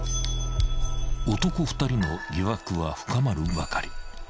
［男２人の疑惑は深まるばかり］